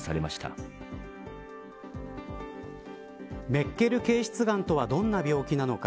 メッケル憩室がんとはどんな病気なのか。